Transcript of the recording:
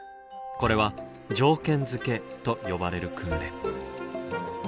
これは「条件付け」と呼ばれる訓練。